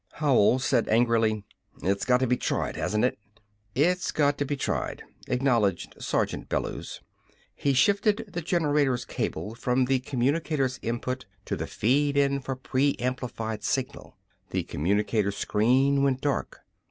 Howell said angrily: "It's got to be tried, hasn't it?" "It's got to be tried," acknowledged Sergeant Bellews. He shifted the generator's cable from the communicator's input to the feed in for preamplified signal. The communicator's screen went dark.